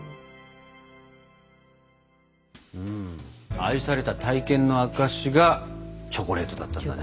「愛された体験の証し」がチョコレートだったんだね。